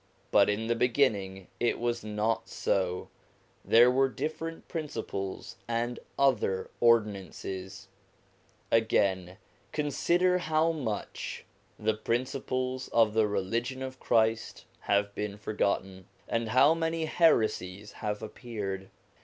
But in the beginning it was not so ; there were different principles and other ordinances. Again, consider how much the principles of the THE MANIFESTATIONS OF GOD 191 religion of Christ have been forgotten, and how many heresies have appeared.